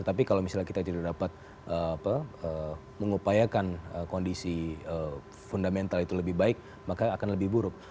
tapi kalau misalnya kita tidak dapat mengupayakan kondisi fundamental itu lebih baik maka akan lebih buruk